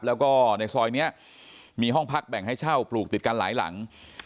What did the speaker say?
แล้วก็ในซอยนี้มีห้องพักแบ่งให้เช่าปลูกติดกันหลายหลัง